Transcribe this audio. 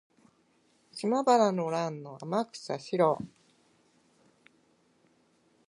島原の乱の天草四郎